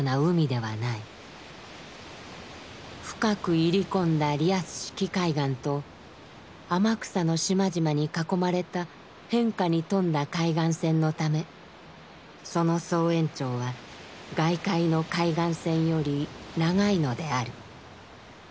深く入り込んだリアス式海岸と天草の島々に囲まれた変化に富んだ海岸線のためその総延長は外界の海岸線より長いのである。